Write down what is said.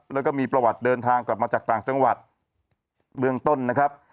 แล้วก็มีประวัติเดินทางกลับมาจากต่างจังหวัดเบื้องต้นนะครับ